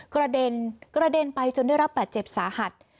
กระเด็นกระเด็นไปจนได้รับบาดเจ็บสาหัส